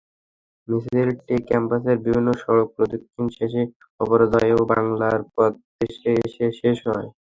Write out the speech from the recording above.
মিছিলটি ক্যাম্পাসের বিভিন্ন সড়ক প্রদক্ষিণ শেষে অপরাজেয় বাংলার পাদদেশে এসে শেষ হয়।